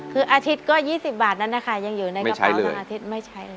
คืออาทิตย์ก็๒๐บาทนั้นนะคะยังอยู่ในกระเป๋าทั้งอาทิตย์ไม่ใช้เลย